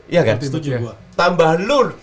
iya dong setuju gue tambah lur